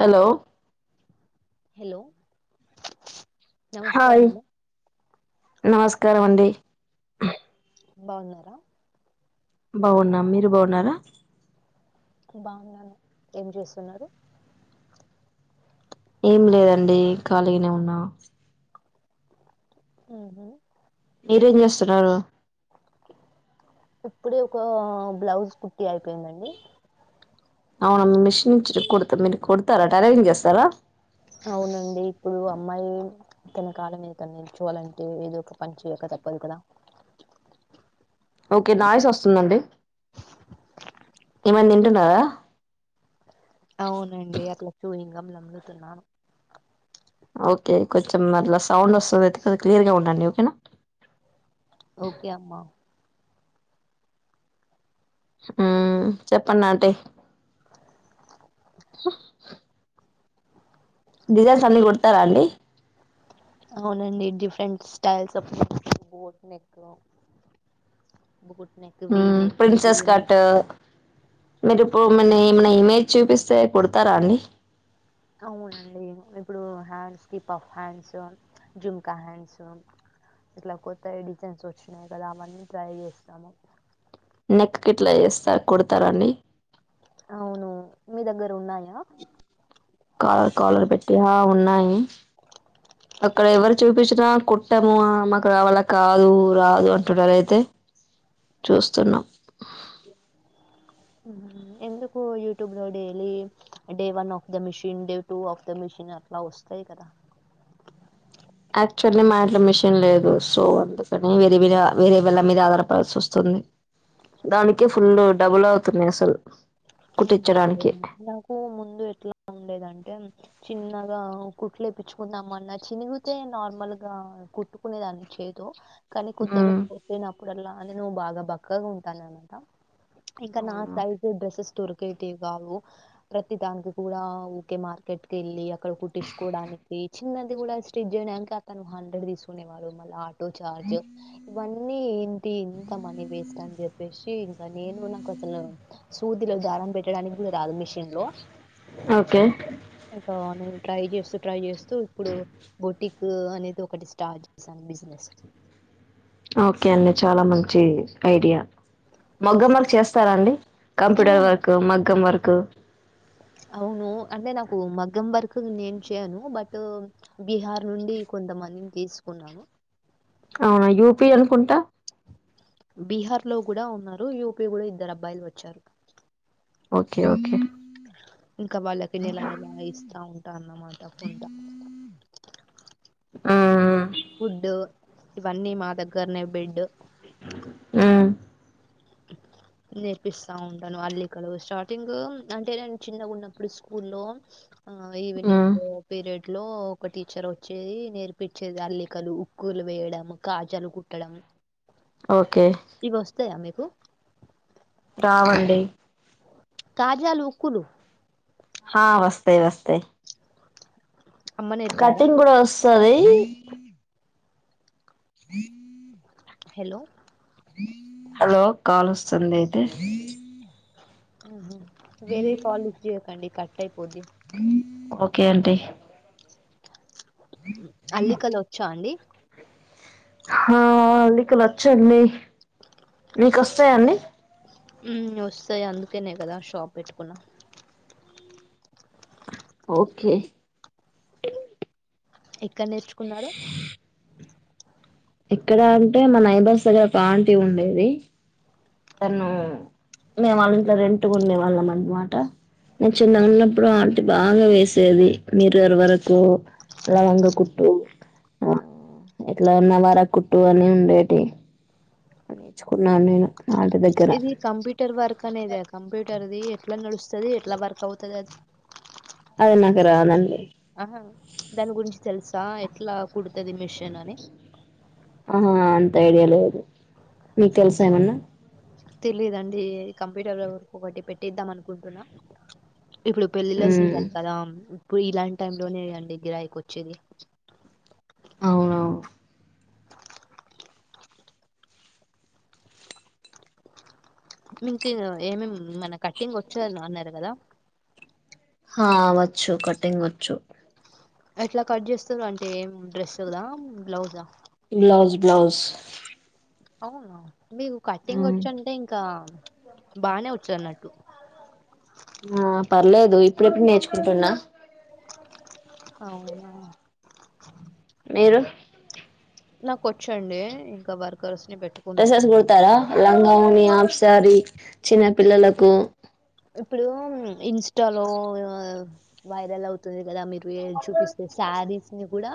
Hello hello నమస్కారం hi ఆమ్మో నమస్కారం అండి బాగున్నారా బాగున్నాము మీరు బాగున్నారా బాగున్నాను ఏం చేస్తున్నారు ఏం లేదండి ఖాళీగానే ఉన్నా ఆహ మీరు ఏం చేస్తున్నారు ఇప్పుడే ఒక బ్లౌజ్ కుట్టి అయిపోయింది అండి అవును మిషన్ చిజు కుడుతాడు మీరు కుడుతారా టైలరింగ్ చేస్తారా అవునండి ఇప్పుడు అమ్మాయి తన కాళ్ళ మీద తను నిలుచోవాలంటే ఏదో ఒక పని చెయక తప్పదు కదా ఓకే నాయిస్ వస్తుంది అండి ఏమైనా తింటున్నారా అవునండి అట్లా చూయింగ్ గమ్లా అండుతున్నాను ఓకే కొంచెం అట్లా సౌండ్ వస్తది ఎత్కాల్ క్లియర్ గా ఉండండి ఓకేనా ఓకే అమ్మా ఉ చెప్పండి ఆంటీ డిజైన్స్ అన్ని కుడుతారా అండి అవునండి different styles of boat neck boat neck uh V neck princess U neck cut మేజుబు ఇప్పుడు ఏమైనా ఇమేజ్ చూపిస్తే కుడతారా అండి అవునండి ఇప్పుడు హ్యాండ్స్ కి పఫ్ హ్యాండ్స్ ఝుమ్కా హ్యాండ్స్ ఇట్లా కొత్తగ డిజైన్స్ వచ్చినయి కదా అవన్నీ ట్రై చేస్తము నెక్ కెట్ల చేస్తరు కుడతరండి అవును మీ దగ్గర ఉన్నాయా కాలర్ కాలర్ పెట్టి ఆ ఉన్నాయి అక్కడ ఎవరు చూపించినా కుట్టము మాకు రా వాళ్లకు రాదు అంటున్నరు అయితే చూస్తున్నాం ఎందుకు యూట్యూబ్ లో daily day one of the mission day two of the mission అట్ల వస్తయి కదా యాక్చువల్లీ మా ఇంట్లో మిషన్ లేదు సో అందుకని వేరేర వేరే వాల్ళ మీద ఆధారపడాల్సి వస్తుంది దానికే ఫుల్ డబుల్ అవుతున్నయి అసలు అవునండి కుట్టించడానికి నాకు ముందు ఎట్ల ఉండేదంటే చిన్న గా కుట్లేపిచ్చుకుందాం అన్నా చినిగితే నార్మల్ గా కుట్టుకునే దాన్ని చేతో కానీ కొత్త మ్మ్ డ్రెస్ కుట్టినప్పుడు ఇప్పుడెలా అంటె నువ్వు బాగా బక్కగ ఉంటానవన్నట్ట ఇంక నా అవునా సైజ్ డ్రెస్సెస్ కావు ప్రతి దానికి కూడా ఊకే మార్కెట్ కి వెళ్ళి అక్కడ కుట్టించుకోవడానికి చిన్నది కూడా స్టిచ్ చేయడానికి అతను హండ్రెడ్ తీసుకునేవాళ్ళు మళ్ళ ఆటో చార్జ్ ఇవన్నీ ట్టి ఇంత మనీ వేస్ట్ అని చెప్పేసి ఇంక నేను నాకు అసలు సూదిలో దారం పెట్టడానికి కూడా రాదు మిషిన్ ఓకే ఇక అలా నేను ట్రై చేస్తూ ట్రై చేస్తూ ఇప్పుడు బొటిక్ అనేది ఒకటి స్టార్ట్ చేశాను బిజినెస్ ఓకే అండి చాలా మంచి ఐడియా మగ్గం వర్క్ చేస్తారా అండి కంప్యూటర్ వర్క్ మగ్గం వర్క్ క్ అవును అంటే నాకు మగ్గం వర్క్ నేను చేయను బట్ బీహార్ నుండి కొంతమందిని తీసుకున్నాను అవునా యూపి అనుకుంటా బీహార్లో కూడా ఉన్నారు యూపీ కూడా ఇద్దరు అబ్బాయిలు వచ్చారు ఓకే ఓకే ఇంకా వాళ్ళకి నెల నెలా ఇస్తా ఉంటాన్నమాట కొంత ఆ ఫుడ్డు ఇవన్నీ మా దగ్గరనే బెడ్ ఆ నేర్పిస్తా ఉంటాను అల్లికలు స్టార్టింగ్ అంటే నేను చిన్నగున్నప్పుడు స్కూల్లో ఆ మ్మ్. ఈవినింగ్ పీరియడ్ ట్లో ఒక టీచర్ వచ్చేది నేర్ ర్పించేది అల్లికలు కలు వేయడం కాజాలు కుట్టడం ఓకే ఈవొస్తాయా మి కు రావండి కాజాలు ఉక్కులు హా వస్తాయి వస్తాయి అమ్మ నేర్పారా కటీంగ్ కూడా ఒస్ స్తది స్న్ హలో హలో కాల్ వస్తుంది అయితే ఆహ వేరే కాల్ లిఫ్ట్ చేయకండి కట్ టైపోద్ది ఓకే ఆంటి అల్లికలోచ్చా అండి కలోచ్చండి నీకొస్తాయా అండి హు వస్తాయి అందుకేనే కదా షాప్ పెట్టుకున్న ఓకే క్కనేర్చుకున్నారు ఎక్కడ అంటే మనైబర్స్ దగ్గర ఒక ఆంటి ఉండేది నన్న మేము వాళ్ళ ఇంట్లో రెంటు కుండేవాళ్ళం అన్నమాట నేను చిన్న గున్నప్పుడు ఆంటి బాగా వేసేది మీర్రర్ వర్క్ లవంగ కుట్టు ఆ ఎట్లా నవార కుట్టు అని ఉండేటియి నేర్చుకున్నాను నేను ఆంటీ దగ్గర ఇది కంప్యూటర్ వర్క్ అనేదే కంప్యూటర్ది ఎట్లా నడుస్ స్తది ఎట్లా వర్కా ఆవుతది అది అది నాక్ రా నండి ఆహా దాని గురించి తెలుసా ఎట్లా కుడుతది మిషన్ అని ఆహా అంత ఐడియా లేదు మీకు తెలుసా ఏమన్నా తెలియదండి కంప్యూటర్ లో వరకు ఒకటి పెట్టిద్దాం అనుకుంటున్నా ఇప్పుడు పెళ్ళిళ్ళ మ్మ్ సీజన్ కదా ప్పు ఇలాంటి టైం లోనే అండి గిరాకి వచ్చేది ఓ మీంక్ ఏ మేం మన కట్టింగ్ ఒచ్చు అన్నారు కదా హ వచ్చు కట్టింగ్ వచ్చు ఎట్లా కట్ చేస్తారు అంటే ఎం డ్రెస్లా బ్లౌజా బ్లాౌజ్ బ్లాౌజ్ అవున మీకు కట్టింగ్ ఒచ్చంటే ఇంకా బానే ఒచ్చన్నట్టు ఆ పర్లేదు ఇప్పుడిప్పుడు నేర్చుకుంటున్నా అవునా మీరు నాకు వచ్చండి ఇంకా వర్కర్స్. ని పెట్టుకున్నాం డ్రెస్సెస్ కుడతారా. లంగావోని ఆఫ్ సారీ చిన్న పిల్లలకు, ఇప్పుడు ఇన్స్టాలో వైరల్ అవుతది కదా మీరు చూపిస్తే శారీస్ ని కూడా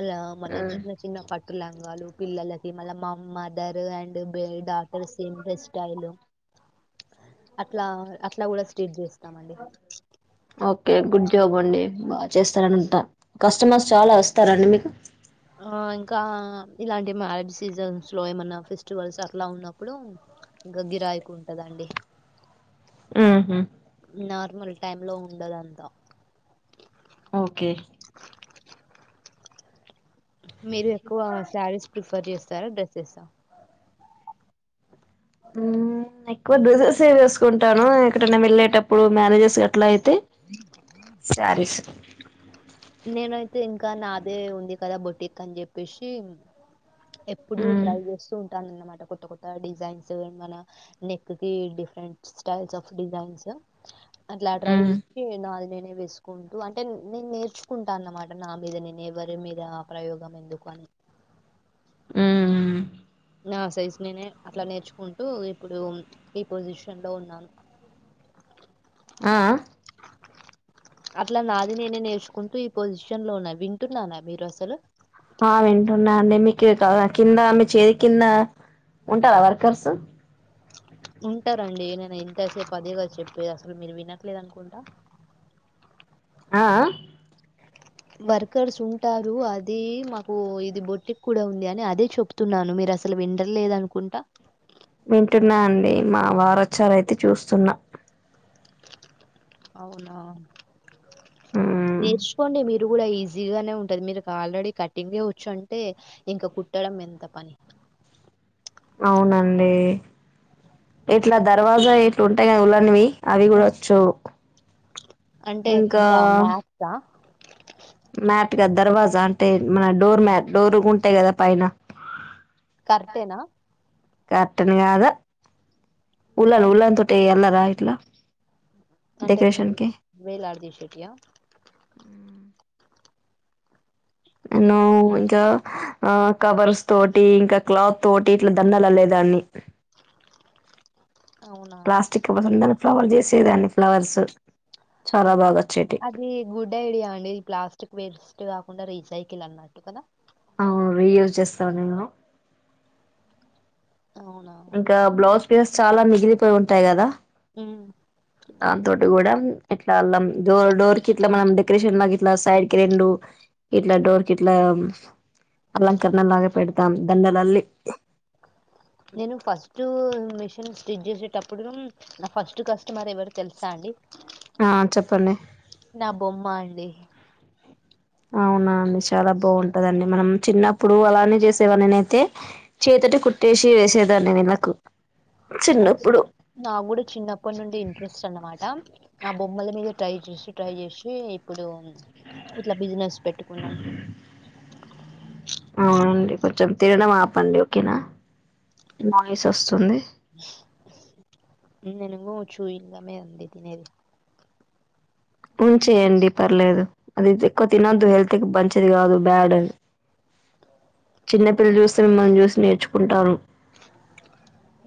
అలా మన మ్మ్ చిన్న చిన్న పట్ లంగాలు పిల్లలకి మళ్ళ మా మదర్ అండ్ బే డాటర్ సేమ్ డ్రెస్ స్టైల్ అట్లా. అట్లా కూడా స్ట్రేట్ చేస్తా. స్తామండి. ఒకే గుడ్ జాబ్ అండి బాగా చేస్తారని ఉంటా కస్టమర్స్ చాలా వస్తారండి మీకు. ఆ ఇంకా ఇలాంటి మ్యారేజ్ సీజన్స్ లో ఏమన్నా ఫెస్టివల్స్ అట్లా ఉన్నప్పుడు ఇంకా గిరాయికి ఉంటదండి. మ్మ్ హ్మ్ నార్మల్ టైం లో ఉండదంతా. ఓకే మీరు ఎక్కువ శారీస్ ప్రిఫర్ చేస్తా సరా డ్రెసెస్ ఆ ఉం ఎక్కువ డ్రెసెస్ ఏ వేసుకుంటాను ఎక్కడన వెళ్ళేటప్పుడు మ్యారేజెస్ అట్లా అయితే సారీస్ అ ఇంకా నాదే ఉంది కదా బొటిక్ అని చెప్పేసి. ఎప్పుడు మ్మ్ ట్రై చేస్తూ ఉంటానన్న అన్నమాట. కొత్త కొత్త డిజైన్స్ మన నెక్ కి డిఫరెంట్ స్టైల్స్ ఆఫ్ డిజైన్స్ అట్లా ట్రై మ్మ్ నే నాది నేనే వేసుకుంటూ అంటే నేను నేర్చుకుంటాను అన్నమాట నా మీద నేను ఎవరి మీద ప్రయోగం ఎందుకు అని ఉమ్ సైజ్ నేనే అట్లా నేర్చుకుంటూ ఇప్పుడు ఈ పొజిషన్ లో ఉన్నాను. ఆ, ఆ అట్లా నాది నేనే నేర్చుకుంటూ ఈ పొజిషన్ లో ఉన్న వింటున్నారా మీరు అసలు. ఆ వింటున్నా అండి మీకు కింద మీ చేతి కింద ఉంటారా వర్కర్స్. ఉంటారండి. నేను ఇంతసేపు అదేగాద చెప్పేది అసలు మీరు వినట్లేదు అనుకుంటా. ఆ, ఆ వర్కర్స్ ఉంటారు. అది మాకు ఇది బొట్టికి కూడా ఉంది అని అదే చెప్తున్నాను మీరు అసలు వింటాలేదు అనుకుంటా. వింటున్నా అండి మా వారచారయితే చూస్తున్నా అవునా మ్మ్ నేర్చుకోండి మీరు కూడా ఈ ఈజీగానే ఉంటది మీరు ఆల్రెడీ కటింగ్ ఏ వచ్చు అంటే ఇంకా కుట్టడం ఎంత పని. అవునండి ఇట్లా దర్వాజావి ఇట్లా ఉంటాయి కదా ఉలన్వి. అవి కూడా వచ్చావు అంటే ఇంకా కింద మ్యాట్సా మ్యాట్ కదా దర్వాజా అంటే మన డోర్ మ్యాట్ డోర్ ఉంటాయి కదా పైన కరెక్టేనా కటన్ కాదా ఉను ఉన్ తటే ఎలాదయిట్లా అంటే వేలు వేలా ఆడిదిషెటియా నన్ను ఇంకా ఆ కవర్స్ తోటి ఇంకా క్లాత్ తోటి ఇట్లా దండలు లేదాన్ని అవునా ప్లాస్టక్ పసండ ఫ్లవర్ చేసేదాన్ని ఫ్లవర్స్ అ చాలా బాగా వచ్చేటివి అది గుడ్ ఐడియా అండి ప్లాస్టిక్ వేస్ అటు కాకుండా రీజైకిల్ అన్నట్టు కదా అవును రీయూస్ చేస్త అవునా ఇంకా బ్లౌస్ ప్లస్ చాలా మిగిలిపోయి ఉంటాయి కదా ఆ దాంతోటి కూడా ఇట్లా అళ్లం డోర్ డోర్ కి ఇట్లా మనం డెకరేషన్ గా ఇట్లా సైడ్ కి రెండు ఇట్లా డోర్ కి ఇట్లా అలంకరణ లాగా పెడతాం దండలల్లి నేను ఫస్ట్ మిషన్ స్జ చేసేటప్పుడు నా ఫస్ట్ కస్టమర్ ఎవరు తెలుసా అండి ఆ చెప్పండి నా బొమ్మ అండి అవునా అండి చాలా బాగుంటదండి మనం చిన్నప్పుడు అలానే చేసేవనిన అయితే చేతట కు వేసేదాన్ని వలకు అ నాకు కూడా చిన్నప్పటి నుండి ఇంట్రెస్ట్ అన్నమాట బొమ్మల మీద ట్రై చేసి ట్రై చేసి ఇప్పుడు ఇట్ల బిజినెస్ పెట్టుకున్నాను అవునండి కొంచెం తినడం ఆపండి ఓకేనా నాయిస్ వస్తుంది ననుకు చూ ఇలామే అందిడి తినేది ఉంచేయండి పర్లేదు అది ఎక్కువ తినొద్దు హెల్త్ మంచిది కాదు బ్యాడ్ చిన్నపిల్లల్ని చూస్తే మిమ్మల్ని చూసి నేర్చుకుంటాను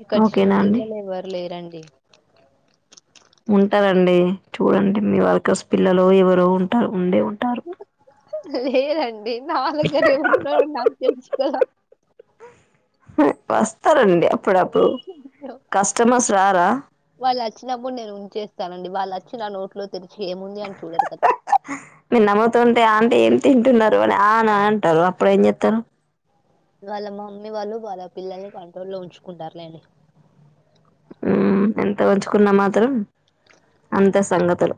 ఇక్కడ చిన్న అండి పిల్లలు ఎవరు లేరండి స ఉంటారంండి చూడండి మీ వర్క పిల్లలు ఎవరు ఉంటారు ఉండే ఉ ఇ లేదండి నాలు గరేవరు న నా తెలుసుకోద వస్తా రండి అప్పుడప్పుడు కస్టమర్స్ రారా వాళ్ళు వచ్చినప్పుడు నేను ఉంచేస్తానండి వాళ్ళు వచ్చి నా నోట్లో తెరిచి ఏముంది అని చూడరు కదా మీరు నమ్ముతుంటే అంటే ఏం తింటున్నారు అని అని అంటారు అప్పుడు ఏం చెతారు వాళ్ళ మా మమ్మీ వాళ్ళు వాళ్ళ పిల్లల్ని కంట్రోల్ లో ఉంచుకుంటారులేండి హ్మ్మ్ ఎంత ఉంచుకున్నా మాత్రం అంత సంగతులు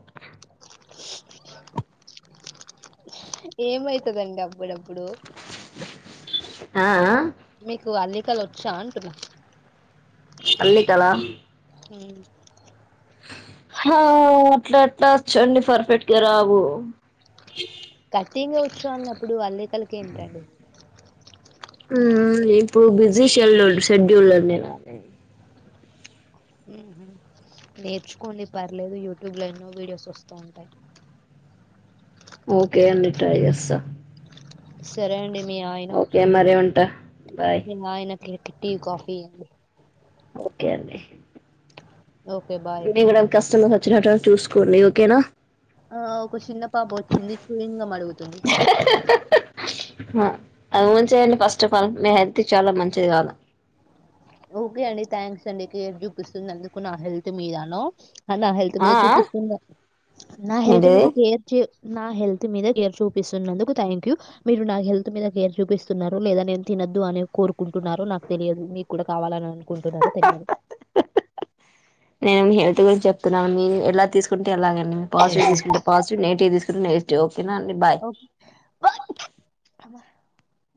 ఏమైతుందండి బ్బు డబ్బు ఇప్పుడు ఆ ఆ మీకు అల్ వంటలు వచ్చా అంటున్న అల్లికల హ్మ్మ్ ఆ అట్లా అట్లా వ చండి పర్ఫెక్ట్గా రావు కట్టింగా వచ్చో అన్నప్పుడు అల్లేకలకి ఏంటండి హ్మ్మ్ ఇప్పుడు బిజీషెల్ ెడ్యూల్ అండి నాదే ఉ నేర్చుకోండి పర్లేదు యూట్యూబ్ లో ఎన్నో వీడియోస్ వస్తూ ఉంటాయి ఓకే అన్నిడి ట్రై చేస్తా సరే అండి మీ ఆయన వచ్చే ఓకే టైం మరి అయింది ఉంటా బాయ్ మీ ఆయనకి టీకాఫీ ఇ కూడా కష్టం వచ్చినట్టుగా చూసుకోండి ఓకేనా ఆ ఒక చిన్న పాబ వచ్చింది చూయంగా మడుగుతుంది అది మంచియండి ఫస్ట్ ఆఫ్ ఆల్ మీ హెల్త్ చాలా మంచిది కాదు ఓకే అండి థ్యాంక్స్ అండి కేర్ చూపిస్తుంది అందుకు నా హెల్త్ మీదన నా హెల్త్ ఆ మీద ఆ చూపిస్తుంద నా హెల్త్ ఏంటిది మీద కేర్ చే నా హెల్త్ మీద కేర్ చూపిస్తున్నందుకు థ్యాంక్ యూ మీరు నా హెల్త్ మీద కేర్ చూపిస్తున్నారు లేదా నేను తినొద్దు అని కోరుకుంటున్నారు నాకు తెలియదు మీ కూడా కావాలని అనుకుంటున్నారు తెలవదు నేను మీ హెల్త్ గురించి చెప్తున్నాను మీ ఎలా తీసుకుంట ఎలాగడి పాజివ్ తీసుకుంట పాజిటి్ నెటివ్ తీసుకుంట ఓకే